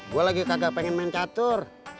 gue lagi kagak pengen main catur